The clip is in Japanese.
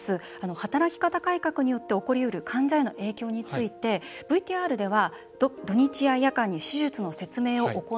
働き方改革によって起こりうる患者への影響についてＶＴＲでは土日や夜間に手術の説明を行わないこと。